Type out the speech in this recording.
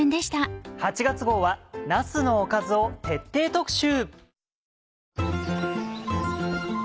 ８月号はなすのおかずを徹底特集。